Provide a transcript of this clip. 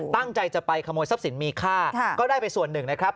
ตั้งใจจะไปขโมยทรัพย์สินมีค่าก็ได้ไปส่วนหนึ่งนะครับ